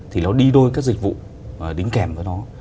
thì nó đi đôi các dịch vụ đính kèm với nó